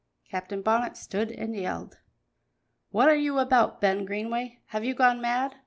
Captain Bonnet stood and yelled. "What are you about, Ben Greenway? Have you gone mad?